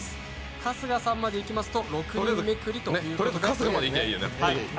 春日さんまで行きますと６人めくりということで。